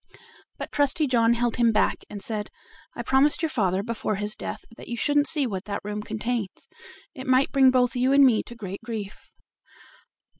But Trusty John held him back, and said: "I promised your father before his death that you shouldn't see what that room contains. It might bring both you and me to great grief."